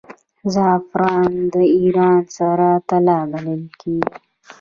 زعفران د ایران سره طلا بلل کیږي.